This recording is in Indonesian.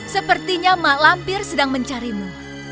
sepertinya mak lampir sedang mencarimu